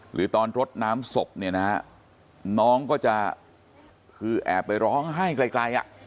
หรือตอนรดน้ำศพเนี่ยนะฮะน้องก็จะคือแอบไปร้องไห้ไกลอ่ะ